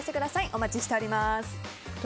お待ちしております。